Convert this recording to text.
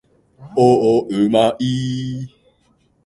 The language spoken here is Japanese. •海辺を散歩しながら、昔のことをぼんやりと考えていました。